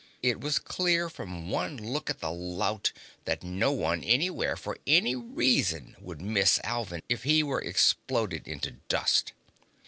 It was clear from one look at the lout that no one, anywhere, for any reason, would miss Alvin if he were exploded into dust.